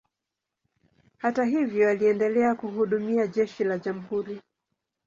Hata hivyo, aliendelea kuhudumia jeshi la jamhuri.